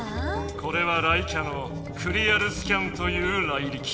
これは雷キャの「クリアルスキャン」というライリキ。